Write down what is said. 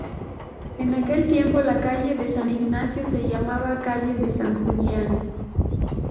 En aquel tiempo la calle de San Ignacio se llamaba calle de San Julián.